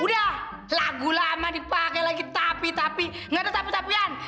udah lagu lama dipake lagi tapi tapi gak ada tapi tapian